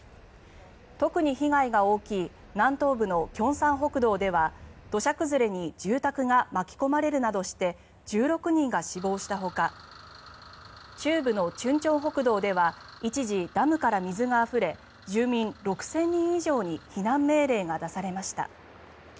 特に被害が大きい南東部の慶尚北道では土砂崩れに住宅が巻き込まれるなどして１６人が死亡したほか中部の忠清北道では一時ダムから水があふれ住民６０００人以上に避難命令が出されました。